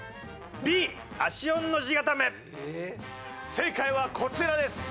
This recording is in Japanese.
正解はこちらです！